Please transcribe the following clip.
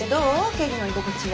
経理の居心地は。